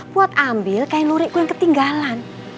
buat ambil kain lurikku yang ketinggalan